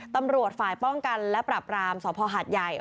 ตำรวจฝ่ายป้องกันและปรับรามสภหาดใหญ่